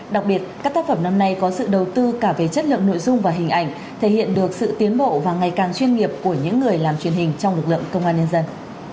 đặc biệt các tác phẩm năm nay có sự đầu tư cả về chất lượng nội dung và hình ảnh thể hiện được sự tiến bộ và ngày càng chuyên nghiệp của những người làm truyền hình trong lực lượng công an nhân dân